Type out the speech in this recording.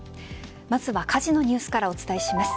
まずは火事のニュースからお伝えします。